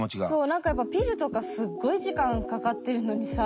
何かやっぱピルとかすっごい時間かかってるのにさ。